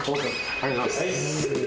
ありがとうございます。